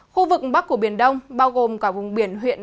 khu vực bắc của biển đông bao gồm cả vùng biển huyện